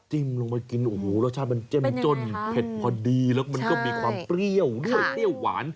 ลงไปกินโอ้โหรสชาติมันเจ้มจ้นเผ็ดพอดีแล้วมันก็มีความเปรี้ยวด้วยเปรี้ยวหวาน